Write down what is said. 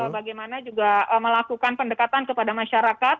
bagaimana juga melakukan pendekatan kepada masyarakat